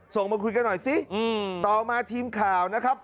มาคุยกันหน่อยสิต่อมาทีมข่าวนะครับ